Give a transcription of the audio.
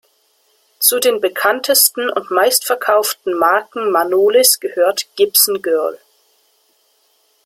Zu den bekanntesten und meistverkauften Marken Manolis gehört „Gibson Girl“.